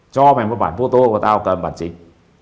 cho mày một bản photo của tao cần bản chính